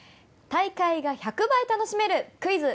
大会が１００倍楽しめる「クイズ！